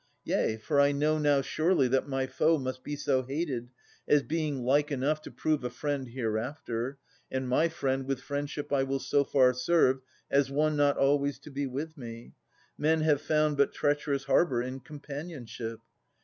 Yea, for I now know surely that my foe Must be so hated, as being like enough To prove a friend hereafter, and my friend With friendship I will so far serve, as one Not always to be with me. Men have found But treacherous harbour in companionship.